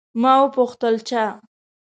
ما وپوښتل، چا؟